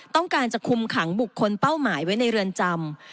ต้องการจะคุมขังบุคคลเป้าหมายไว้ในเรือนจำ